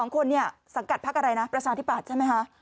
๒คนเนี่ยสังกัดพักอะไรนะประชาธิปัตย์ใช่ไหมคะ